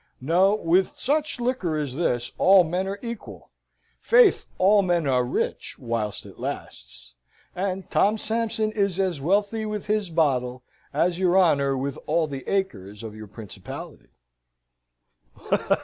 No! with such liquor as this, all men are equal; faith, all men are rich, whilst it lasts! and Tom Sampson is as wealthy with his bottle as your honour with all the acres of your principality!"